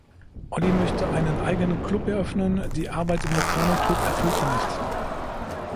Oli möchte einen eigenen Club eröffnen, die Arbeit im lokalen Club erfüllt ihn nicht.